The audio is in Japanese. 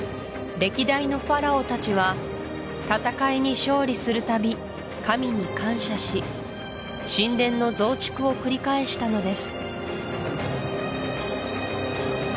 歴代のファラオたちは戦いに勝利するたび神に感謝し神殿の増築を繰り返したのです